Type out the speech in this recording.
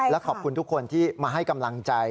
และขอบคุณทุกคนที่มาให้กำลังใจ